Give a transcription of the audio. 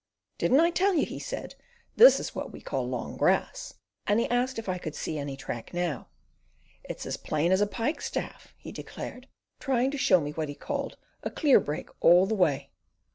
"Didn't I tell you?" he said. "This is what we call long grass"; and he asked if I could "see any track now." "It's as plain as a pikestaff," he declared, trying to show what he called a "clear break all the way."